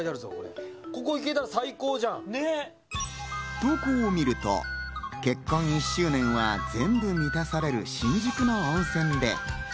投稿を見ると、結婚１周年は全部満たされる新宿の温泉で。